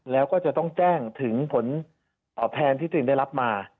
แล้วก็จะต้องแจ้งถึงผลตอบแทนที่ตัวเองได้รับมา